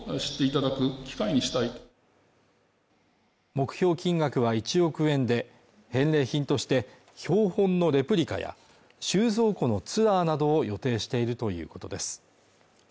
目標金額は１億円で返礼品として標本のレプリカや収蔵庫のツアーなどを予定しているということです